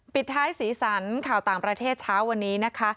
ปิดท้ายสีสันข่าวต่างประเทศเช้าวันนี้นะคะ